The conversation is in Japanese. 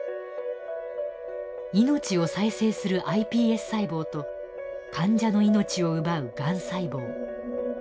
命を再生するｉＰＳ細胞と患者の命を奪うがん細胞。